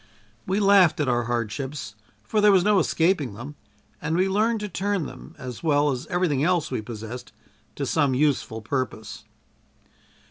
We laughed at our hardships, for there was no escaping them, and we learned to turn them, as well as everything else we possessed, to some useful purpose.